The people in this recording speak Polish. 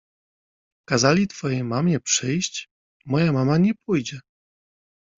— Kazali twojej mamie przyjść? — Moja mama nie pójdzie.